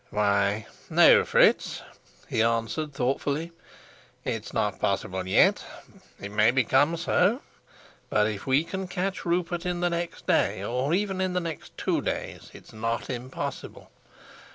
"Why, no, Fritz," he answered thoughtfully. "It's not possible yet; it may become so. But if we can catch Rupert in the next day, or even in the next two days, it's not impossible.